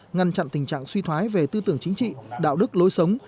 ngăn chặn tình trạng suy thoái về tư tưởng chính trị đạo đức lối sống